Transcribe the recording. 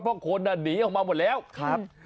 เพราะคนหนีออกมาหมดแล้วครับ